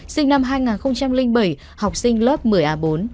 sinh năm hai nghìn bảy học sinh lớp một mươi a bốn